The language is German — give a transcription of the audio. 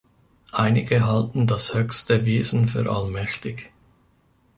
Einige halten das höchste Wesen für allmächtig.